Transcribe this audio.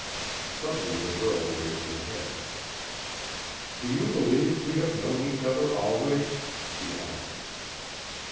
Suddenly the girl raised her head: "Do you believe we have known each other always?" she asked.